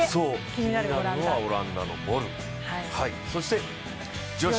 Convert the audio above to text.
気になるのは、オランダのボル。